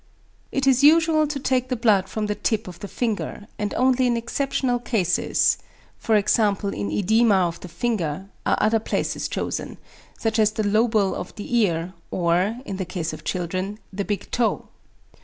It is usual to take the blood from the tip of the finger, and only in exceptional cases, e.g. in oedema of the finger, are other places chosen, such as the lobule of the ear, or (in the case of children) the big toe.